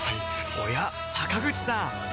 おや坂口さん